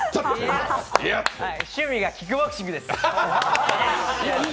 趣味がキックボクシングです、よしっ！